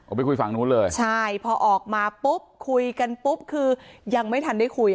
ไปคุยฝั่งนู้นเลยใช่พอออกมาปุ๊บคุยกันปุ๊บคือยังไม่ทันได้คุย